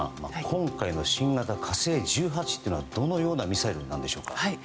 今回の新型「火星１８」とはどのようなミサイルなんでしょうか？